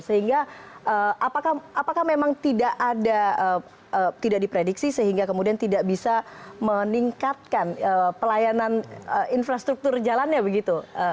sehingga apakah memang tidak ada tidak diprediksi sehingga kemudian tidak bisa meningkatkan pelayanan infrastruktur jalannya begitu